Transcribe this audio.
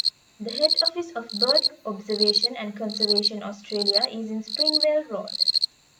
The head office of Bird Observation and Conservation Australia is in Springvale Road.